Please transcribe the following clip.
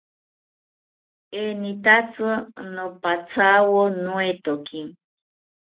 Enitatzi nopathawo noetoki